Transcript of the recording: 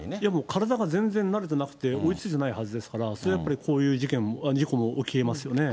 体が全然慣れてなくて、追いついてないはずですから、それやっぱり、こういう事故も起きえますよね。